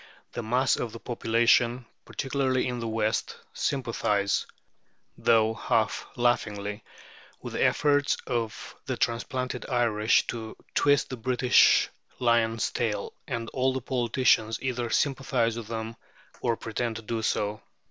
The mass of the population, particularly in the West, sympathize, though half laughingly, with the efforts of the transplanted Irish to "twist the British lion's tail," and all the politicians either sympathize with them, or pretend to do so.